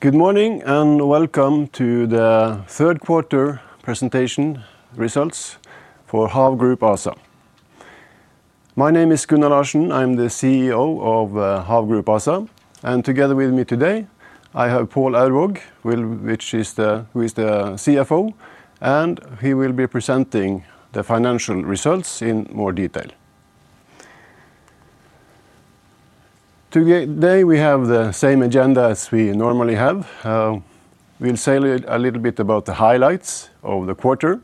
Good morning, and welcome to the third quarter presentation results for HAV Group ASA. My name is Gunnar Larsen. I'm the CEO of HAV Group ASA, and together with me today, I have Pål Aurvåg, who is the CFO, and he will be presenting the financial results in more detail. Today, we have the same agenda as we normally have. We'll say a little bit about the highlights of the quarter,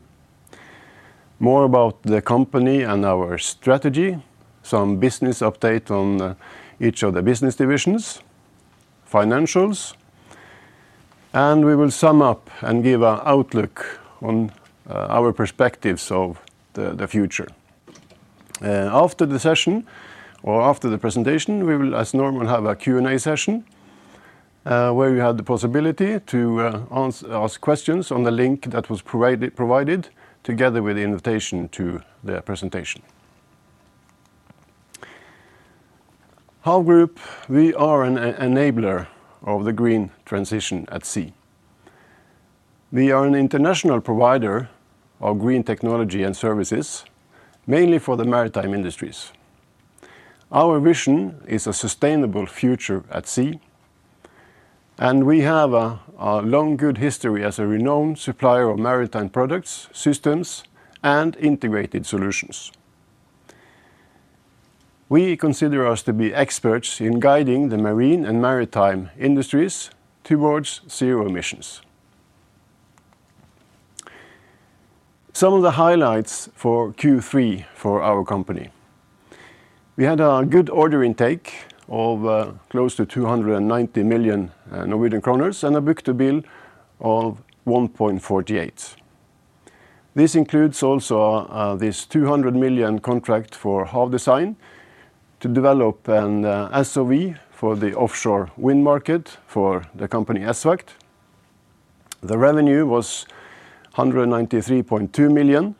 more about the company and our strategy, some business update on each of the business divisions, financials, and we will sum up and give an outlook on our perspectives of the future. After the session or after the presentation, we will, as normal, have a Q&A session, where you have the possibility to ask questions on the link that was provided, provided together with the invitation to the presentation. HAV Group, we are an enabler of the green transition at sea. We are an international provider of green technology and services, mainly for the maritime industries. Our vision is a sustainable future at sea, and we have a long, good history as a renowned supplier of maritime products, systems, and integrated solutions. We consider us to be experts in guiding the marine and maritime industries towards zero emissions. Some of the highlights for Q3 for our company. We had a good order intake of close to 290 million Norwegian kroners, and a book-to-bill of 1.48. This also includes this 200 million contract for HAV Design to develop an SOV for the offshore wind market for the company ESVAGT. The revenue was 193.2 million.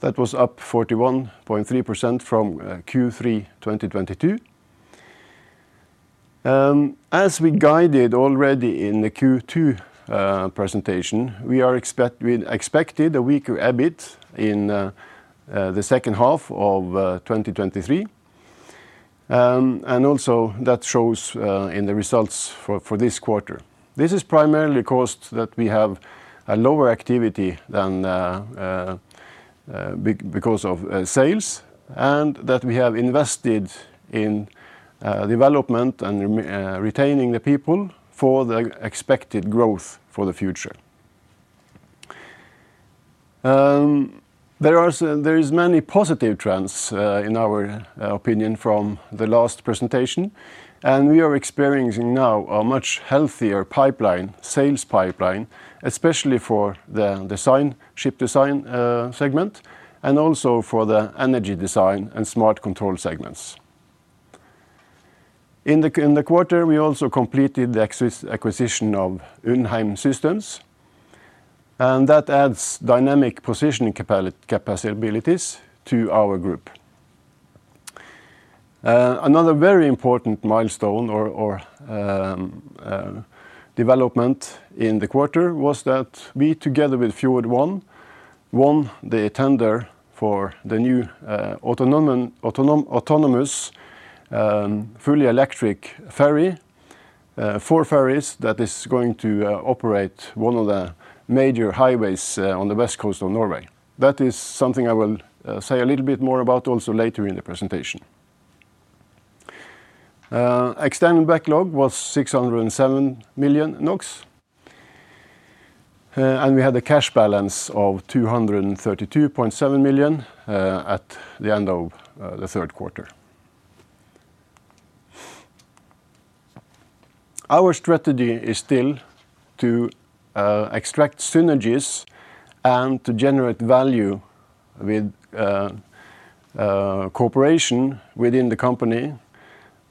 That was up 41.3% from Q3 2022. As we guided already in the Q2 presentation, we expected a weaker EBIT in the second half of 2023. And that shows in the results for this quarter. This is primarily caused that we have a lower activity because of sales, and that we have invested in development and retaining the people for the expected growth for the future. There is many positive trends, in our opinion from the last presentation, and we are experiencing now a much healthier pipeline, sales pipeline, especially for the design, ship design, segment, and also for the energy design and smart control segments. In the quarter, we also completed the acquisition of Undheim Systems, and that adds dynamic positioning capabilities to our group. Another very important milestone or development in the quarter was that we, together with Fjord1, won the tender for the new, autonomous fully electric ferry, four ferries that is going to operate one of the major highways on the west coast of Norway. That is something I will say a little bit more about also later in the presentation. Extended backlog was 607 million NOK, and we had a cash balance of 232.7 million at the end of the third quarter. Our strategy is still to extract synergies and to generate value with cooperation within the company,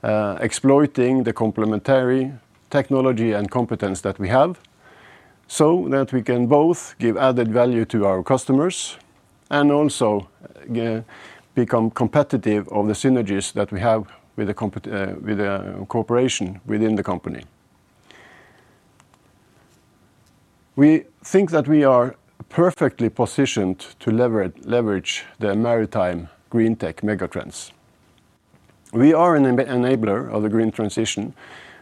exploiting the complementary technology and competence that we have, so that we can both give added value to our customers and also become competitive of the synergies that we have with the cooperation within the company. We think that we are perfectly positioned to leverage the maritime green tech megatrends. We are an enabler of the green transition.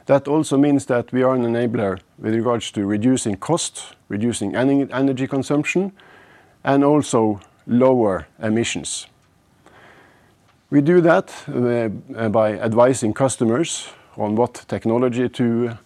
That also means that we are an enabler with regards to reducing cost, reducing energy consumption, and also lower emissions. We do that by advising customers on what technology to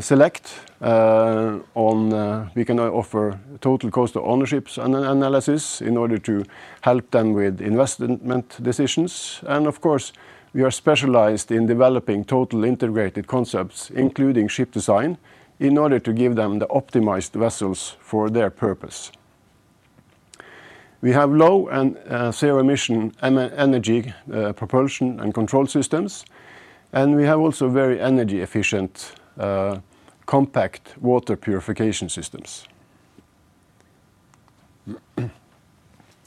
select on. We can offer total cost of ownership analysis in order to help them with investment decisions. Of course, we are specialized in developing total integrated concepts, including ship design, in order to give them the optimized vessels for their purpose. We have low and zero-emission energy propulsion and control systems, and we have also very energy-efficient compact water purification systems.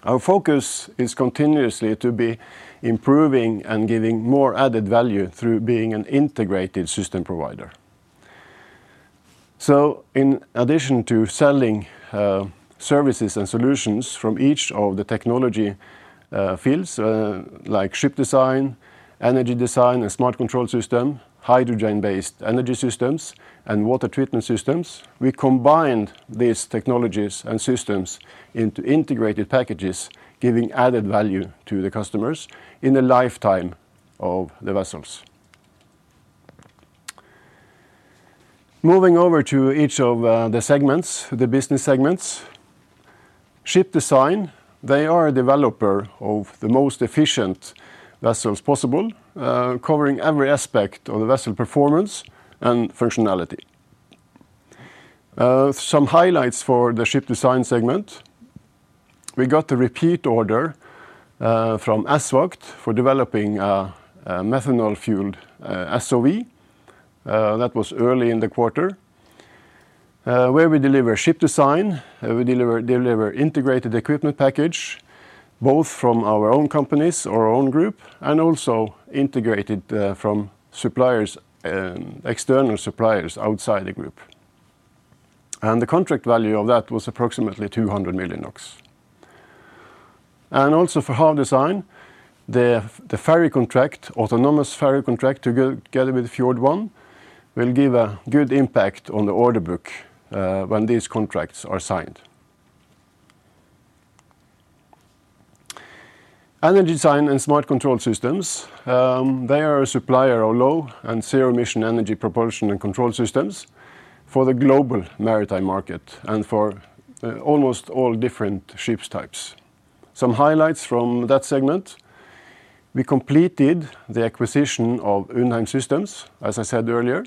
Our focus is continuously to be improving and giving more added value through being an integrated system provider. So in addition to selling services and solutions from each of the technology fields like ship design, energy design, and smart control system, hydrogen-based energy systems, and water treatment systems, we combined these technologies and systems into integrated packages, giving added value to the customers in the lifetime of the vessels. Moving over to each of the segments, the business segments. Ship design, they are a developer of the most efficient vessels possible, covering every aspect of the vessel performance and functionality. Some highlights for the ship design segment. We got a repeat order from ESVAGT for developing a methanol-fueled SOV. That was early in the quarter, where we deliver ship design, we deliver integrated equipment package, both from our own companies or our own group, and also integrated from suppliers and external suppliers outside the group. The contract value of that was approximately 200 million NOK. Also for HAV Design, the ferry contract, autonomous ferry contract, together with Fjord1, will give a good impact on the order book, when these contracts are signed. Energy design and smart control systems, they are a supplier of low- and zero-emission energy propulsion and control systems for the global maritime market and for almost all different ships types. Some highlights from that segment: we completed the acquisition of Undheim Systems, as I said earlier.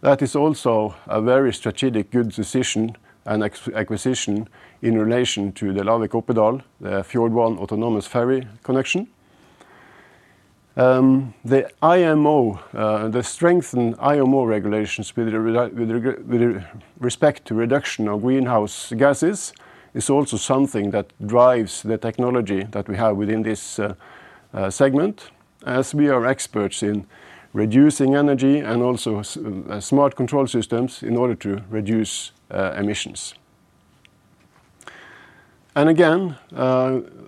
That is also a very strategic, good decision and acquisition in relation to the Lavik-Oppedal, the Fjord1 autonomous ferry connection. The strengthened IMO regulations with respect to reduction of greenhouse gases is also something that drives the technology that we have within this segment, as we are experts in reducing energy and also smart control systems in order to reduce emissions. And again,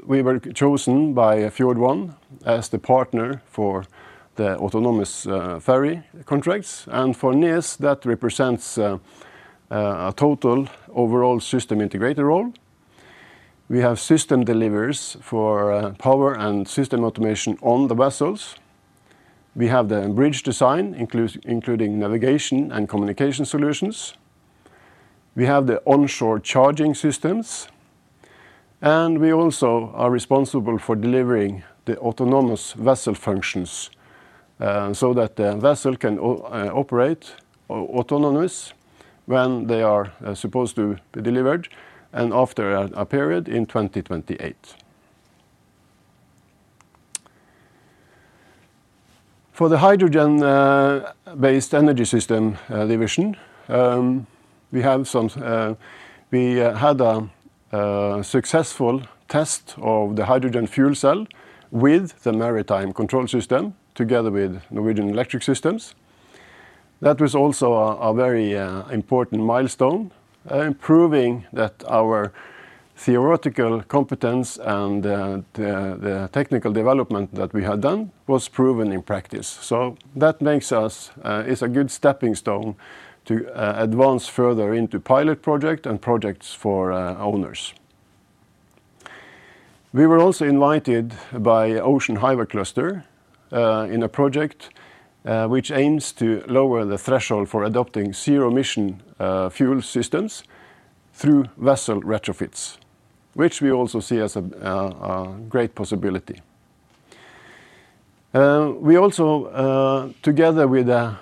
we were chosen by Fjord1 as the partner for the autonomous ferry contracts, and for NES, that represents a total overall system integrator role. We have system delivers for power and system automation on the vessels. We have the bridge design, including navigation and communication solutions. We have the onshore charging systems, and we also are responsible for delivering the autonomous vessel functions, so that the vessel can operate autonomous when they are supposed to be delivered and after a period in 2028. For the hydrogen based energy system division, we have some. We had a successful test of the hydrogen fuel cell with the maritime control system, together with Norwegian Electric Systems. That was also a very important milestone, proving that our theoretical competence and the technical development that we had done was proven in practice. So that makes us is a good stepping stone to advance further into pilot project and projects for owners. We were also invited by Ocean Hyway Cluster in a project, which aims to lower the threshold for adopting zero-emission fuel systems through vessel retrofits, which we also see as a great possibility. We also, together with the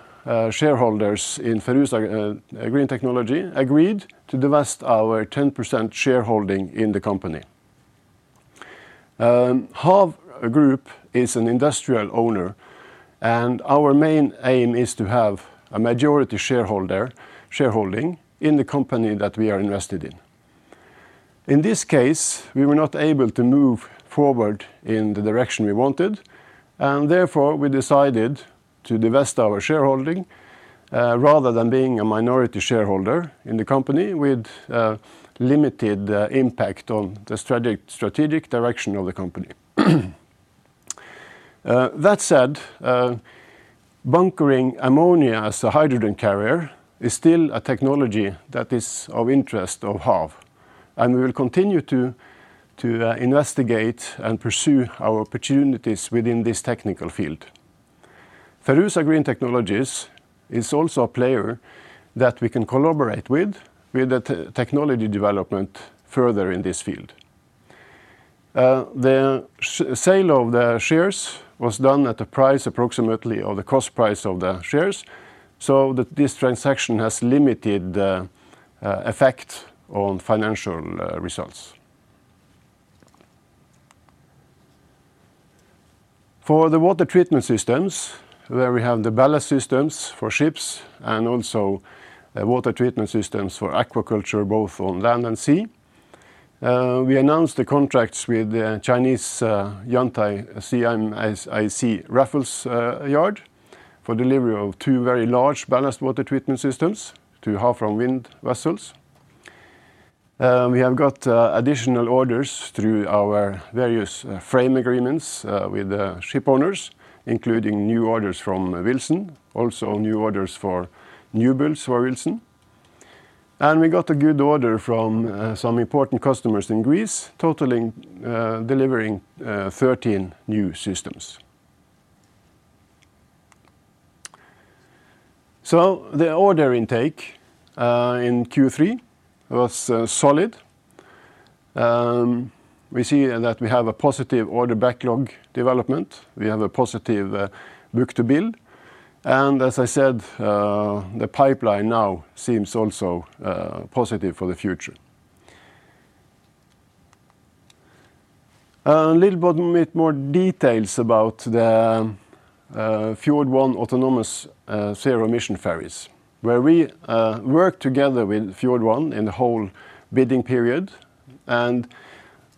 shareholders in Fjordfuel, agreed to divest our 10% shareholding in the company. HAV Group is an industrial owner, and our main aim is to have a majority shareholder, shareholding in the company that we are invested in. In this case, we were not able to move forward in the direction we wanted, and therefore, we decided to divest our shareholding, rather than being a minority shareholder in the company with limited impact on the strategic direction of the company. That said, bunkering ammonia as a hydrogen carrier is still a technology that is of interest of HAV, and we will continue to investigate and pursue our opportunities within this technical field. Fjord is also a player that we can collaborate with, with the technology development further in this field. The sale of the shares was done at a price approximately of the cost price of the shares, so this transaction has limited effect on financial results. For the water treatment systems, where we have the ballast systems for ships and also water treatment systems for aquaculture, both on land and sea. We announced the contracts with the Chinese Yantai CIMC Raffles yard for delivery of two very large ballast water treatment systems to Havfram wind vessels. We have got additional orders through our various frame agreements with the ship owners, including new orders from Wilson, also new orders for new builds for Wilson. And we got a good order from some important customers in Greece, totaling delivering 13 new systems. So the order intake in Q3 was solid. We see that we have a positive order backlog development. We have a positive book-to-bill. And as I said, the pipeline now seems also positive for the future. A little bit more details about the Fjord1 autonomous zero-emission ferries, where we worked together with Fjord1 in the whole bidding period and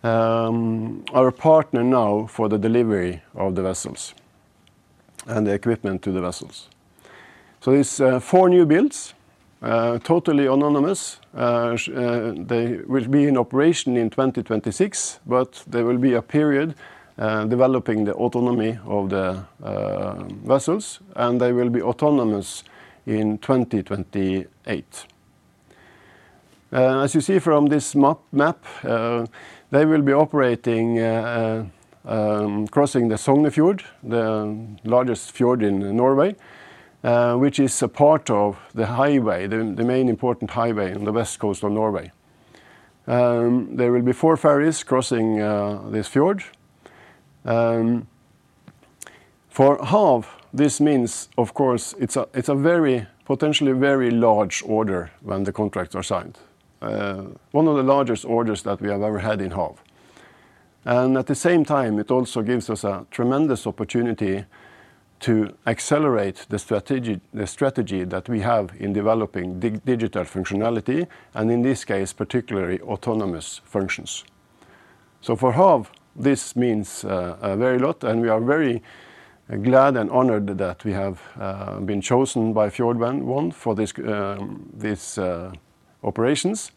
are a partner now for the delivery of the vessels and the equipment to the vessels. So these four new builds, totally autonomous, they will be in operation in 2026, but there will be a period developing the autonomy of the vessels, and they will be autonomous in 2028. As you see from this map, they will be operating crossing the Sognefjord, the largest fjord in Norway, which is a part of the highway, the main important highway on the west coast of Norway. There will be 4 ferries crossing this fjord. For HAV, this means, of course, it's a very, potentially very large order when the contracts are signed. One of the largest orders that we have ever had in HAV. And at the same time, it also gives us a tremendous opportunity to accelerate the strategy that we have in developing digital functionality, and in this case, particularly autonomous functions. So for HAV, this means a very lot, and we are very glad and honored that we have been chosen by Fjord1 for this operations.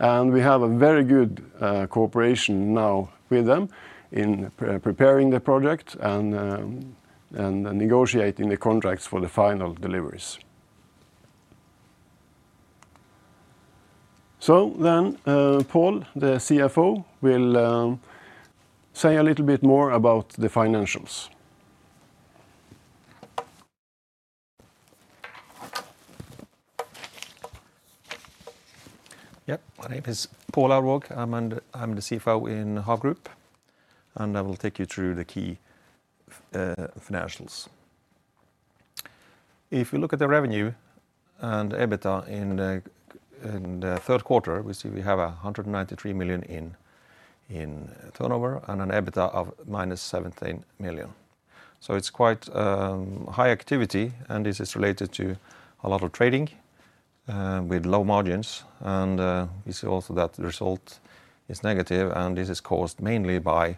And we have a very good cooperation now with them in preparing the project and negotiating the contracts for the final deliveries. So then, Pål, the CFO, will say a little bit more about the financials. Yep, my name is Pål Aurvåg. I'm the CFO in HAV Group, and I will take you through the key financials. If you look at the revenue and EBITDA in the third quarter, we see we have 193 million in turnover and an EBITDA of minus 17 million. So it's quite high activity, and this is related to a lot of trading with low margins. We see also that the result is negative, and this is caused mainly by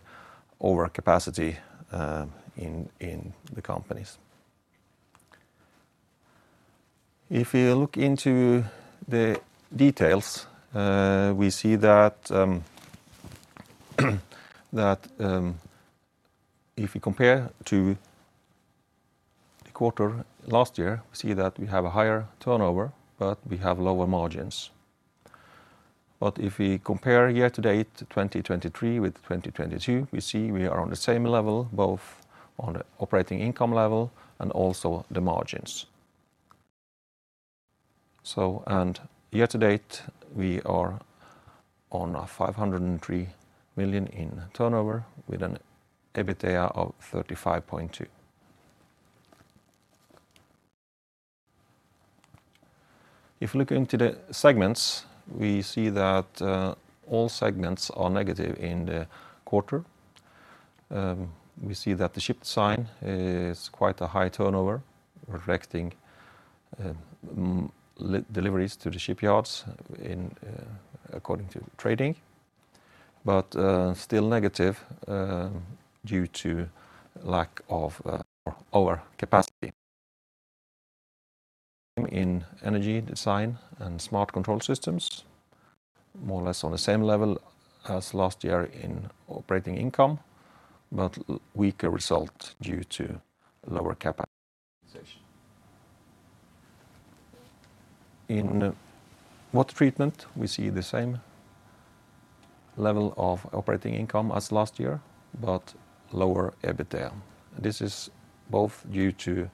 overcapacity in the companies. If you look into the details, we see that if you compare to the quarter last year, we see that we have a higher turnover, but we have lower margins. But if we compare year to date, 2023 with 2022, we see we are on the same level, both on the operating income level and also the margins. Year to date, we are on 503 million in turnover with an EBITDA of 35.2 million. If you look into the segments, we see that all segments are negative in the quarter. We see that the ship design is quite a high turnover, reflecting deliveries to the shipyards in according to trading, but still negative due to lack of overcapacity. In energy design and smart control systems, more or less on the same level as last year in operating income, but weaker result due to lower capitalization. In water treatment, we see the same level of operating income as last year, but lower EBITDA. This is both due to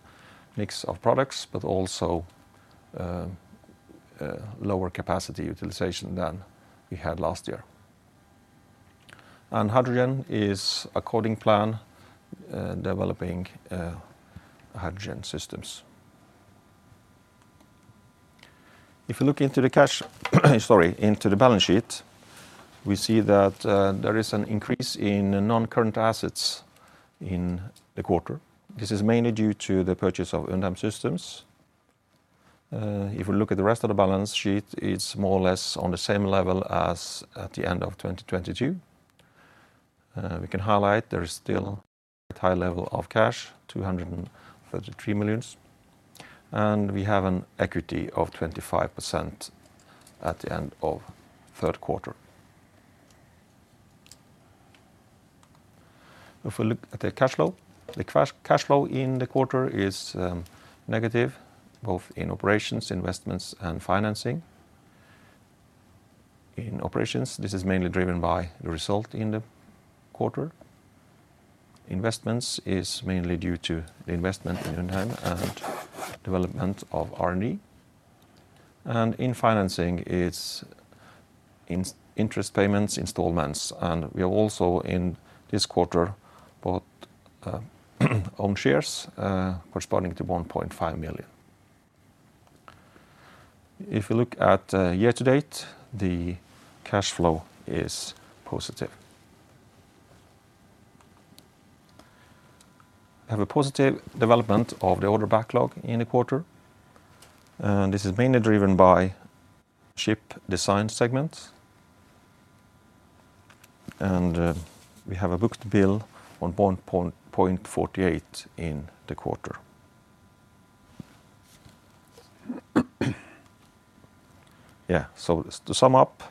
mix of products, but also, lower capacity utilization than we had last year. Hydrogen is according plan, developing, hydrogen systems. If you look into the cash, sorry, into the balance sheet, we see that, there is an increase in non-current assets in the quarter. This is mainly due to the purchase of Undheim Systems. If we look at the rest of the balance sheet, it's more or less on the same level as at the end of 2022. We can highlight there is still a high level of cash, 233 million, and we have an equity of 25% at the end of third quarter. If we look at the cash flow, the cash flow in the quarter is, negative, both in operations, investments, and financing. In operations, this is mainly driven by the result in the quarter. Investments is mainly due to the investment in Undheim and development of R&D. And in financing, it's interest payments, installments, and we are also in this quarter bought own shares corresponding to 1.5 million. If you look at year to date, the cash flow is positive. We have a positive development of the order backlog in the quarter, and this is mainly driven by ship design segment. And we have a book-to-bill on 0.148 in the quarter. Yeah, so to sum up,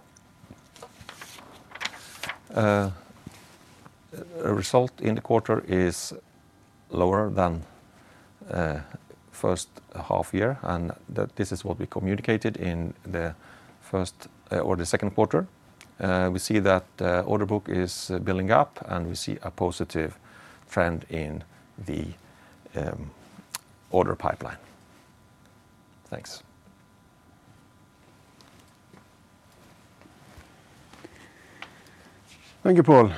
result in the quarter is lower than first half year, and that this is what we communicated in the first or the second quarter. We see that order book is building up, and we see a positive trend in the order pipeline. Thanks. Thank you, Pål.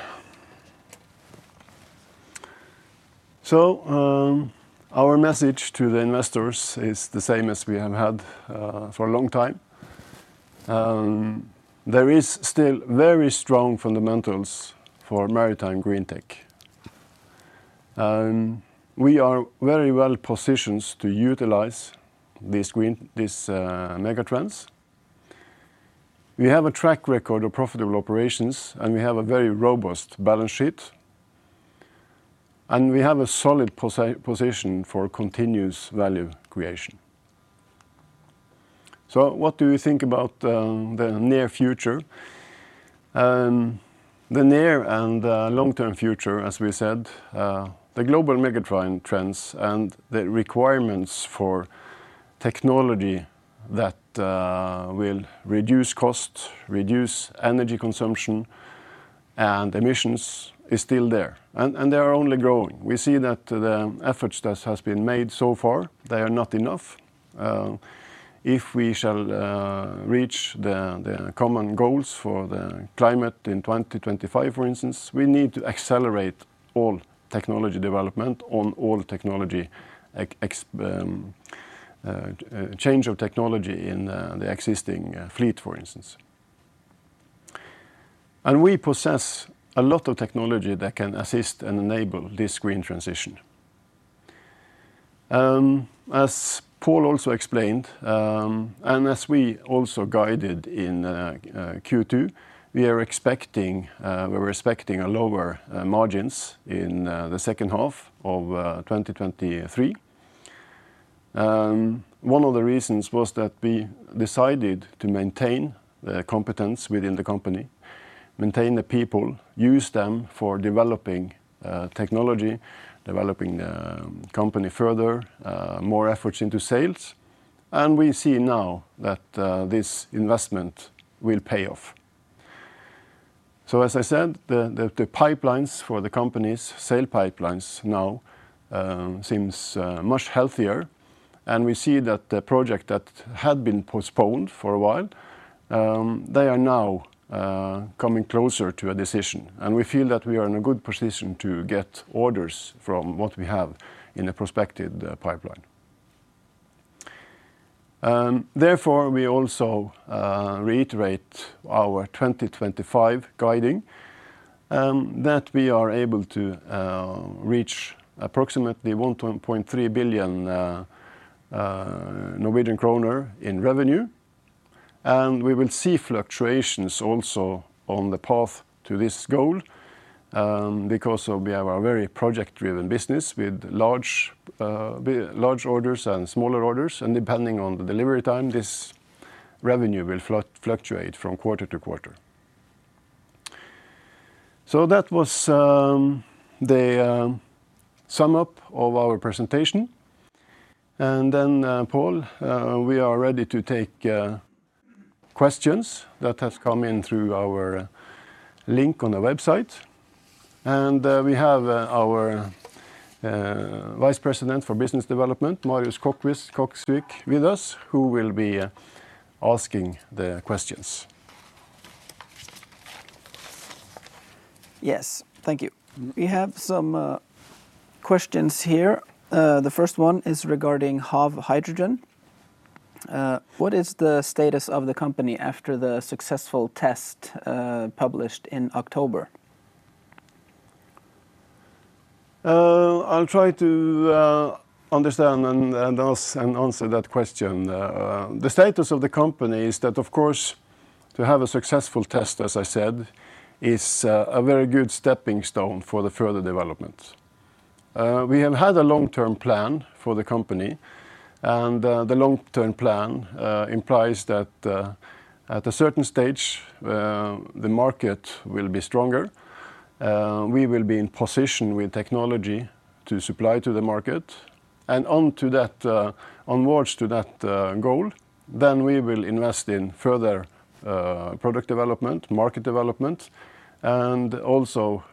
So, our message to the investors is the same as we have had for a long time. There is still very strong fundamentals for Maritime Green Tech. And we are very well positioned to utilize these green megatrends. We have a track record of profitable operations, and we have a very robust balance sheet, and we have a solid position for continuous value creation. So what do we think about the near future? The near and long-term future, as we said, the global megatrends and the requirements for technology that will reduce cost, reduce energy consumption, and emissions, is still there, and they are only growing. We see that the efforts that has been made so far, they are not enough. If we shall reach the common goals for the climate in 2025, for instance, we need to accelerate all technology development on all technology change of technology in the existing fleet, for instance. And we possess a lot of technology that can assist and enable this green transition. As Pål also explained, and as we also guided in Q2, we are expecting, we were expecting a lower margins in the second half of 2023. One of the reasons was that we decided to maintain the competence within the company, maintain the people, use them for developing technology, developing the company further, more efforts into sales, and we see now that this investment will pay off. So, as I said, the pipelines for the company's sales pipelines now seems much healthier, and we see that the project that had been postponed for a while, they are now coming closer to a decision. And we feel that we are in a good position to get orders from what we have in the prospective pipeline. Therefore, we also reiterate our 2025 guidance that we are able to reach approximately 1.3 billion Norwegian kroner in revenue. And we will see fluctuations also on the path to this goal, because of we have a very project-driven business with large orders and smaller orders, and depending on the delivery time, this revenue will fluctuate from quarter to quarter. So that was the sum up of our presentation. Then, Pål, we are ready to take questions that have come in through our link on the website. We have our Vice President for Business Development, Marius Koksvik, with us, who will be asking the questions.... Yes. Thank you. We have some questions here. The first one is regarding HAV Hydrogen. What is the status of the company after the successful test published in October? I'll try to understand and ask and answer that question. The status of the company is that, of course, to have a successful test, as I said, is a very good stepping stone for the further development. We have had a long-term plan for the company, and the long-term plan implies that at a certain stage the market will be stronger. We will be in position with technology to supply to the market, and onto that, onwards to that goal, then we will invest in further product development, market development, and also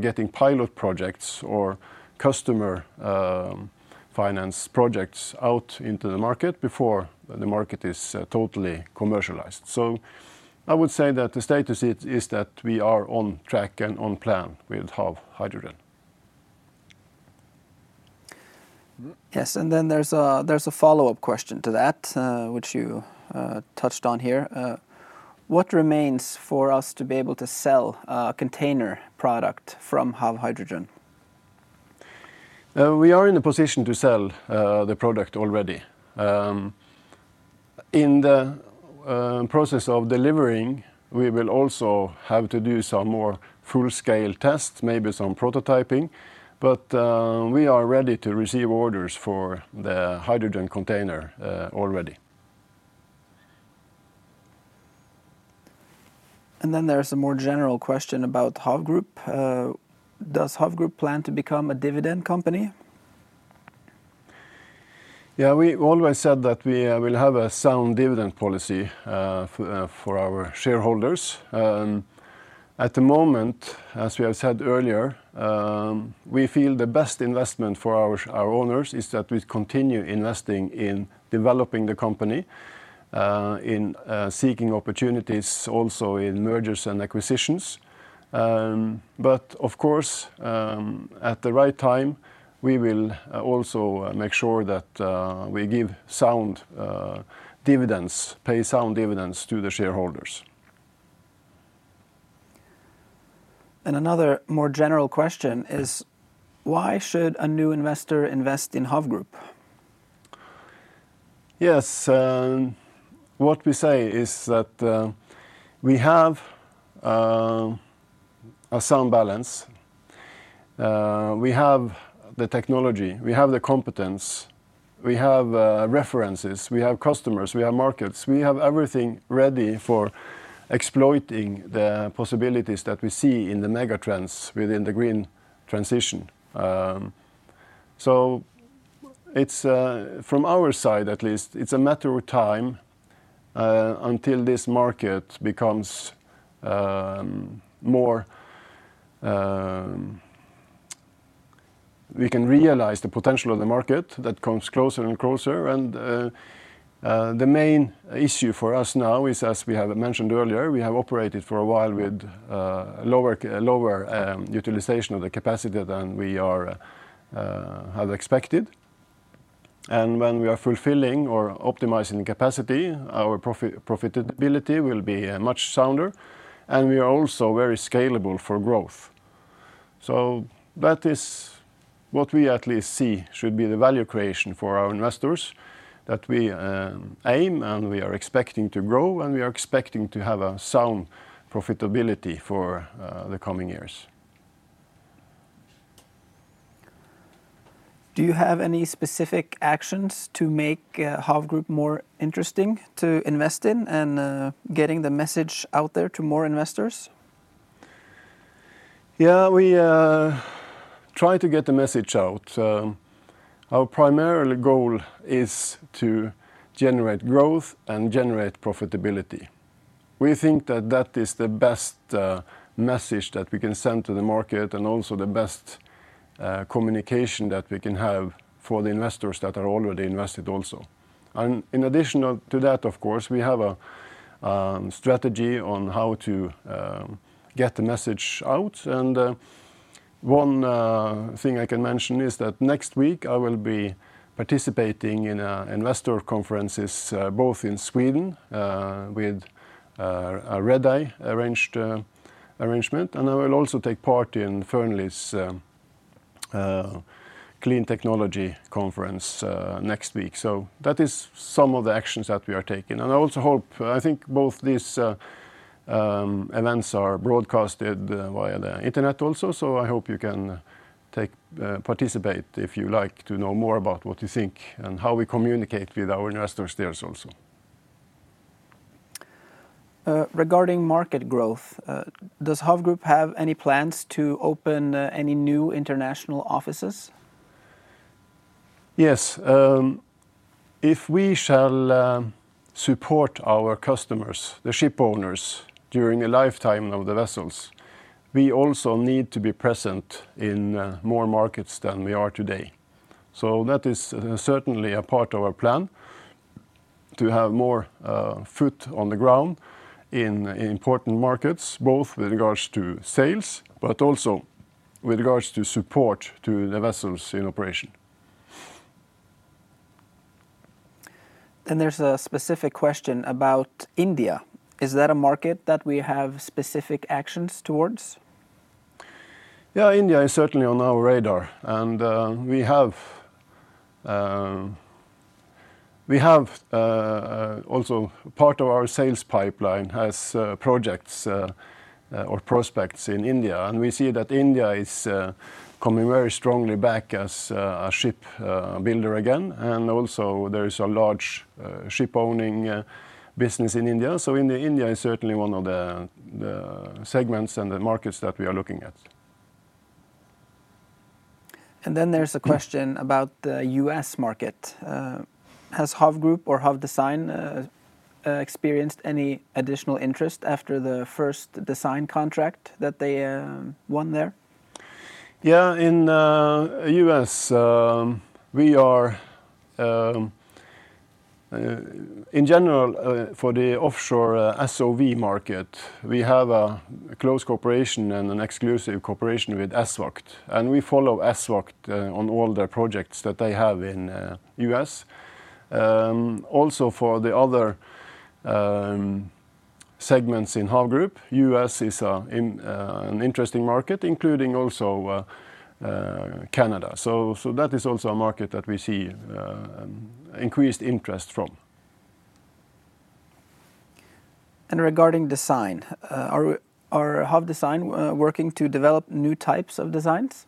getting pilot projects or customer finance projects out into the market before the market is totally commercialized. So I would say that the status is that we are on track and on plan with HAV Hydrogen. Yes, and then there's a follow-up question to that, which you touched on here. What remains for us to be able to sell a container product from HAV Hydrogen? We are in a position to sell the product already. In the process of delivering, we will also have to do some more full-scale tests, maybe some prototyping, but we are ready to receive orders for the hydrogen container already. There is a more general question about HAV Group. Does HAV Group plan to become a dividend company? Yeah, we always said that we will have a sound dividend policy for our shareholders. At the moment, as we have said earlier, we feel the best investment for our, our owners is that we continue investing in developing the company, in seeking opportunities also in mergers and acquisitions. But of course, at the right time, we will also make sure that we give sound dividends, pay sound dividends to the shareholders. Another more general question is: Why should a new investor invest in HAV Group? Yes, what we say is that we have a sound balance. We have the technology, we have the competence, we have references, we have customers, we have markets. We have everything ready for exploiting the possibilities that we see in the mega trends within the green transition. So it's from our side at least, it's a matter of time until this market becomes more. We can realize the potential of the market that comes closer and closer, and the main issue for us now is, as we have mentioned earlier, we have operated for a while with lower utilization of the capacity than we have expected. And when we are fulfilling or optimizing capacity, our profitability will be much sounder, and we are also very scalable for growth. So that is what we at least see should be the value creation for our investors, that we aim, and we are expecting to grow, and we are expecting to have a sound profitability for the coming years. Do you have any specific actions to make HAV Group more interesting to invest in and getting the message out there to more investors? Yeah, we try to get the message out. Our primary goal is to generate growth and generate profitability. We think that that is the best message that we can send to the market, and also the best communication that we can have for the investors that are already invested also. And in addition to that, of course, we have a strategy on how to get the message out, and one thing I can mention is that next week I will be participating in investor conferences both in Sweden with a Redeye arranged arrangement, and I will also take part in Fearnley's clean technology conference next week. So that is some of the actions that we are taking, and I also hope... I think both these events are broadcasted via the internet also, so I hope you can participate if you like to know more about what you think and how we communicate with our investors there also. Regarding market growth, does HAV Group have any plans to open any new international offices? Yes. If we shall support our customers, the ship owners, during the lifetime of the vessels, we also need to be present in more markets than we are today. So that is certainly a part of our plan. To have more foot on the ground in important markets, both with regards to sales, but also with regards to support to the vessels in operation. There's a specific question about India. Is that a market that we have specific actions towards? Yeah, India is certainly on our radar, and we have also part of our sales pipeline has projects or prospects in India. And we see that India is coming very strongly back as a ship builder again, and also there is a large shipowning business in India. So India, India is certainly one of the segments and the markets that we are looking at. There's a question about the U.S. market. Has HAV Group or HAV Design experienced any additional interest after the first design contract that they won there? Yeah, in U.S., we are... In general, for the offshore SOV market, we have a close cooperation and an exclusive cooperation with ESVAGT, and we follow ESVAGT on all their projects that they have in U.S. Also for the other segments in HAV Group, U.S. is an interesting market, including also Canada. So that is also a market that we see increased interest from. Regarding design, are HAV Design working to develop new types of designs?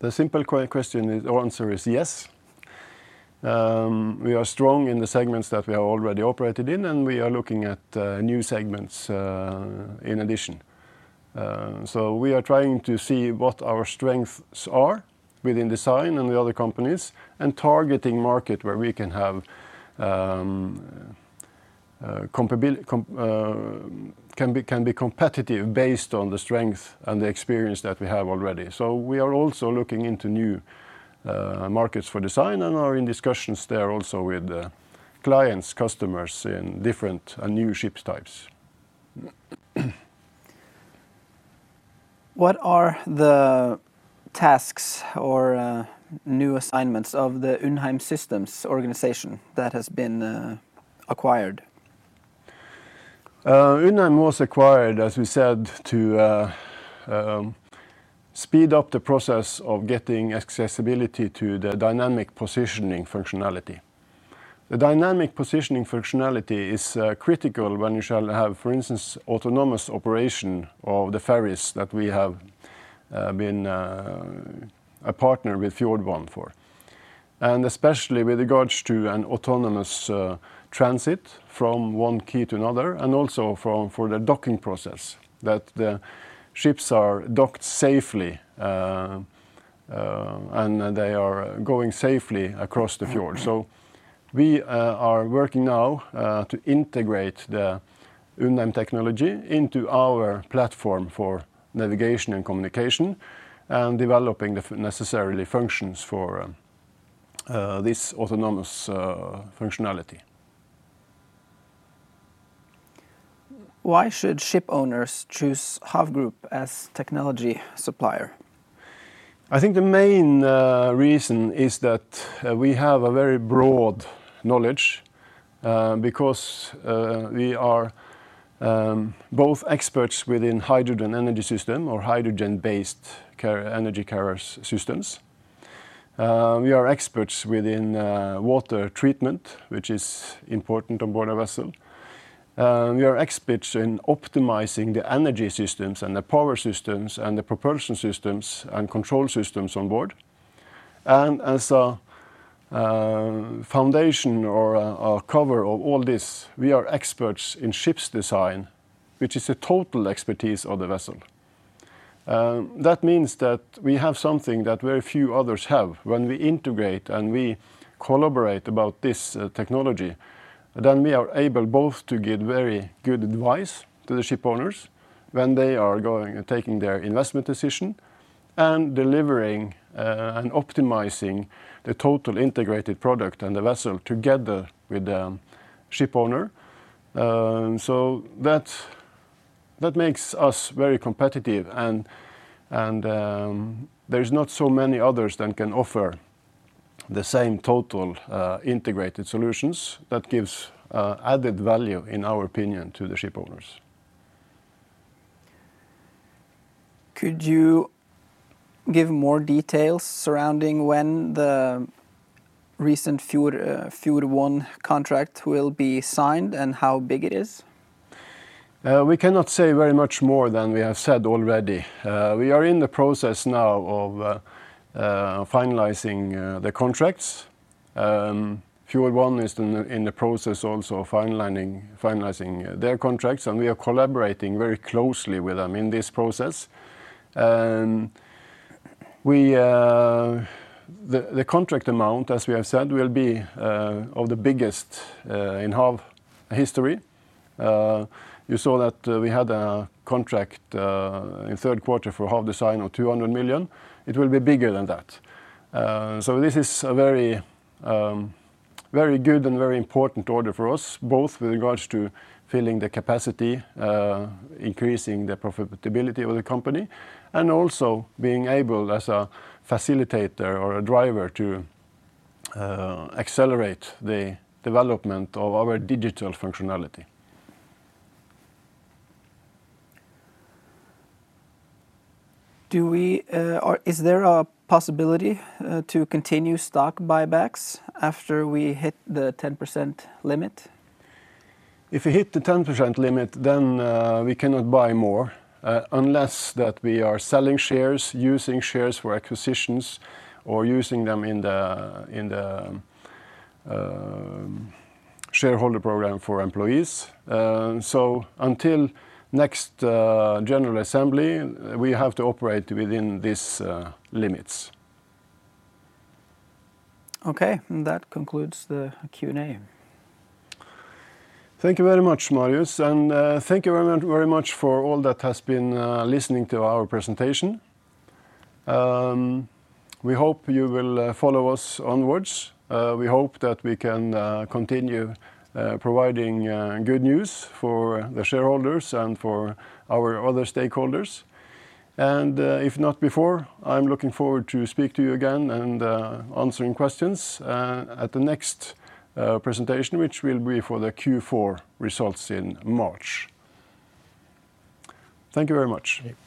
The simple question is, or answer is yes. We are strong in the segments that we are already operated in, and we are looking at new segments in addition. So we are trying to see what our strengths are within design and the other companies, and targeting market where we can have can be competitive based on the strength and the experience that we have already. So we are also looking into new markets for design and are in discussions there also with the clients, customers in different and new ships types. What are the tasks or new assignments of the Undheim Systems organization that has been acquired? Undheim was acquired, as we said, to speed up the process of getting accessibility to the dynamic positioning functionality. The dynamic positioning functionality is critical when you shall have, for instance, autonomous operation of the ferries that we have been a partner with Fjord1 for, and especially with regards to an autonomous transit from one quay to another, and also for, for the docking process, that the ships are docked safely and they are going safely across the fjord. So we are working now to integrate the Undheim technology into our platform for navigation and communication, and developing the necessary functions for this autonomous functionality. Why should shipowners choose HAV Group as technology supplier? I think the main reason is that we have a very broad knowledge because we are both experts within hydrogen energy system or hydrogen-based energy carriers systems. We are experts within water treatment, which is important on board a vessel. We are experts in optimizing the energy systems and the power systems and the propulsion systems and control systems on board. And as a foundation or a cover of all this, we are experts in ship design, which is a total expertise of the vessel. That means that we have something that very few others have. When we integrate and we collaborate about this technology, then we are able both to give very good advice to the shipowners when they are going and taking their investment decision, and delivering, and optimizing the total integrated product and the vessel together with the shipowner. So that, that makes us very competitive, and there's not so many others that can offer the same total integrated solutions. That gives added value, in our opinion, to the shipowners. Could you give more details surrounding when the recent Fjord, Fjord1 contract will be signed and how big it is? We cannot say very much more than we have said already. We are in the process now of finalizing the contracts. Fjord1 is in the process also of finalizing their contracts, and we are collaborating very closely with them in this process. And we. The contract amount, as we have said, will be of the biggest in HAV history. You saw that we had a contract in the third quarter for HAV Design of 200 million. It will be bigger than that. So this is a very, very good and very important order for us, both with regards to filling the capacity, increasing the profitability of the company, and also being able, as a facilitator or a driver, to accelerate the development of our digital functionality. Do we, or is there a possibility, to continue stock buybacks after we hit the 10% limit? If we hit the 10% limit, then we cannot buy more, unless that we are selling shares, using shares for acquisitions, or using them in the, in the, shareholder program for employees. So until next general assembly, we have to operate within these limits. Okay, and that concludes the Q&A. Thank you very much, Marius, and thank you very much, very much for all that has been listening to our presentation. We hope you will follow us onwards. We hope that we can continue providing good news for the shareholders and for our other stakeholders. And, if not before, I'm looking forward to speak to you again and answering questions at the next presentation, which will be for the Q4 results in March. Thank you very much. Yeah.